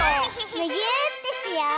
むぎゅーってしよう！